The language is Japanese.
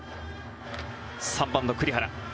３番の栗原。